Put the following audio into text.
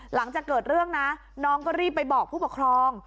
หลังจากเกิดเรื่องนะน้องก็รีบไปบอกผู้ปกครอง